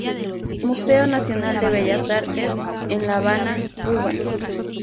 Museo Nacional de Bellas Artes, en La Habana, Cuba.